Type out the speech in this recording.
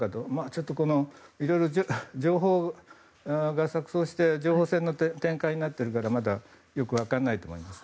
ちょっといろいろ情報が錯綜して情報戦の展開になっているからまだよく分からないと思います。